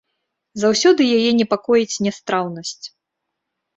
Заўсёды яе непакоіць нястраўнасць.